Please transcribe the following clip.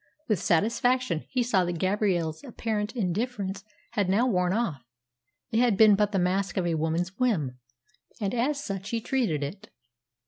With satisfaction he saw that Gabrielle's apparent indifference had now worn off. It had been but the mask of a woman's whim, and as such he treated it.